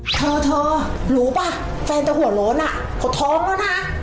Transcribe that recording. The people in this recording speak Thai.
เธอรู้ป่ะแฟนเธอหัวโรนอ่ะเขาท้องแล้วนะ